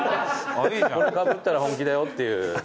これかぶったら本気だよっていう。